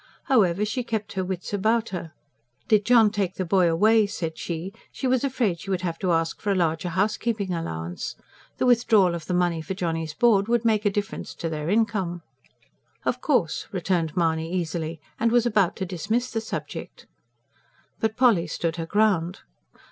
However she kept her wits about her. Did John take the boy away, said she, she was afraid she would have to ask for a larger housekeeping allowance. The withdrawal of the money for Johnny's board would make a difference to their income. "Of course," returned Mahony easily, and was about to dismiss the subject. But Polly stood her ground.